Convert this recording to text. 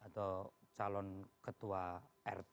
atau calon ketua rt